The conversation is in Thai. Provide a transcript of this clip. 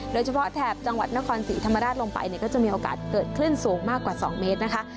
โดยเฉพาะแถบจังหวัดนครศรีธรรมดาลงไปก็จะมีโอกาสเกิดขึ้นสูงมากกว่า๒เมตรนะคะ